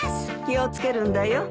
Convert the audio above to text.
気を付けるんだよ。